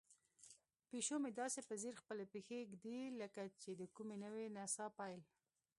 پیشو مې داسې په ځیر خپلې پښې ږدوي لکه د کومې نوې نڅا پیل.